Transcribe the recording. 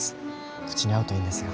お口に合うといいんですが。